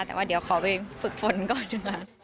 แต่ว่าเดี๋ยวขอไปฝึกฝนก่อนนะคะ